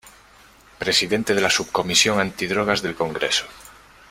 Presidente de la Subcomisión Antidrogas del Congreso.